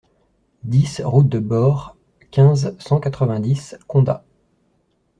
dix route de Bort, quinze, cent quatre-vingt-dix, Condat